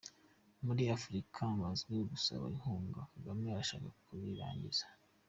Muri Afurika bazwiho gusaba inkunga, Kagame arashaka kubirangiza.